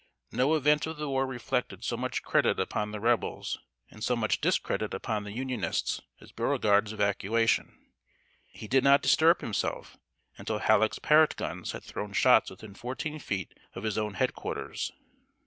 No event of the war reflected so much credit upon the Rebels and so much discredit upon the Unionists as Beauregard's evacuation. He did not disturb himself until Halleck's Parrott guns had thrown shots within fourteen feet of his own head quarters.